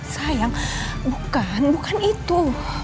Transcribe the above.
sayang bukan bukan itu